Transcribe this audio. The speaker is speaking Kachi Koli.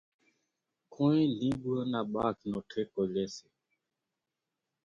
ڪونئين لينٻوُئان نا ٻاگھ نو ٺيڪو ليئيَ سي۔